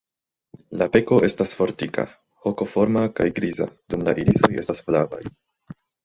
La beko estas fortika, hokoforma kaj griza, dum la irisoj estas flavaj.